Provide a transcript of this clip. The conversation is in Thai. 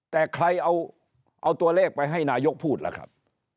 แต่ใครเอาตัวเลขไปให้นายกพูดล่ะครับ